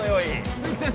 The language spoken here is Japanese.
冬木先生